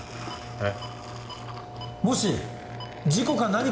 えっ？